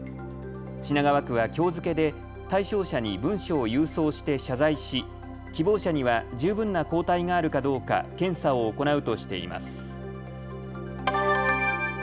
品川区はきょう付けで対象者に文書を郵送して謝罪し希望者には十分な抗体があるかどうか検査を行うとしています。